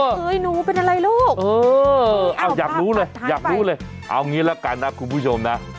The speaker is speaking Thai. เฮ้ยหนูเป็นอะไรลูกเอออยากรู้เลยอยากรู้เลยเอางี้ละกันนะคุณผู้ชมนะ